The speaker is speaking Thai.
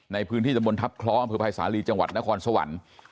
ในพื้นที่จำบลทัพคร้อพภัยสาลีจังหวัดนครสวรรค์